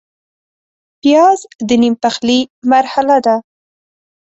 پیاز د نیم پخلي مرحله ده